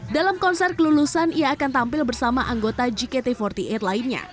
dalam konser kelulusan ia akan tampil bersama anggota gkt empat puluh delapan lainnya